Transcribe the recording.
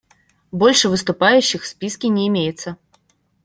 Больше выступающих в списке не имеется.